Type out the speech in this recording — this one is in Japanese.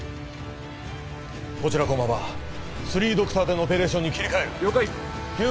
こちら駒場３ドクターでのオペレーションに切り替える了解救護